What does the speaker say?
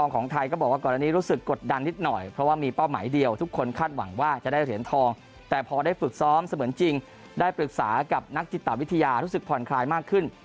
ของไทยก็บอกว่าก่อนอันนี้รู้สึกกดดันนิดหน่อยเพราะว่ามีเป้าหมายเดียวทุกคนคาดหวังว่าจะได้เหรียญทองแต่พอได้ฝึกซ้อมเสมือนจริงได้ปรึกษากับนักจิตวิทยารู้สึกผ่อนคลายมากขึ้น